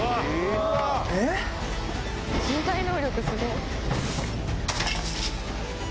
えっ⁉身体能力すごい。